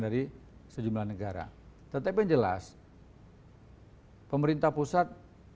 dari sejumlah negara tetapi yang jelas pemerintah pusat